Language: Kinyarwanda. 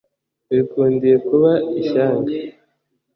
wikundiye kuba ishyanga